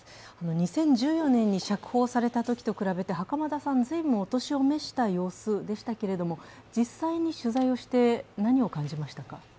２０１４年に釈放されたときと比べて袴田さん、随分お年を召した様子でしたけれども、実際に取材をして何を感じましたか？